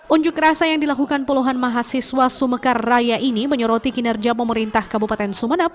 unjuk rasa yang dilakukan puluhan mahasiswa sumekar raya ini menyoroti kinerja pemerintah kabupaten sumeneb